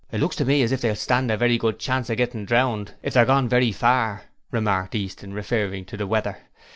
'Looks to me as if they'll stand a very good chance of gettin' drowned if they're gone very far,' remarked Easton, referring to the weather.